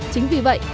chính vì vậy